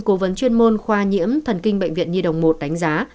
cố vấn chuyên môn khoa nhiễm thần kinh bệnh viện nhi đồng một đánh giá